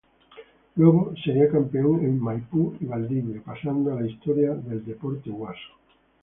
Luego sería campeón en Maipú y Valdivia, pasando a la historia del "deporte huaso".